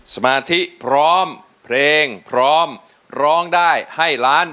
สมาธิพร้อมเพลงพร้อมร้องได้ให้ล้าน